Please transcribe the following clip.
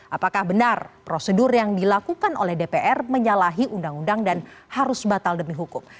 apakah benar prosedur yang dilakukan oleh dpr menyalahi undang undang dan harus batal demi hukum